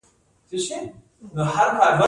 آیا اکسس بانک ګټور دی؟